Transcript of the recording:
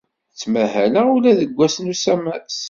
Ttmahaleɣ ula deg wass n usamas.